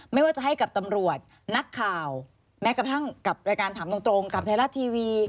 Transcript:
ไม่ว่าจะให้กับตำรวจนักข่าวแม้กระทั่งกับรายการถามตรงกับไทยรัฐทีวี